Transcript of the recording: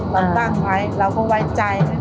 เราตั้งไว้เราก็ไว้ใจ